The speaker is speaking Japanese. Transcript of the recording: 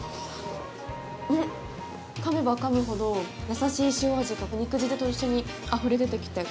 かめばかむほど優しい塩味が肉汁と一緒にあふれ出てきて。